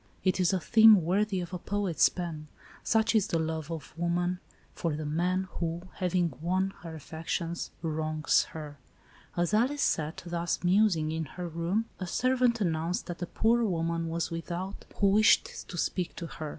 It is a theme worthy of a poet's pen. Such is the love of wo man for the man, who, having won her affections, wrongs her. As Alice sat, thus musing, in her room, a servant announced that a poor woman was with out, who wished to speak to her.